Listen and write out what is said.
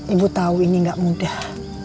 ibu tahu ini gak mudah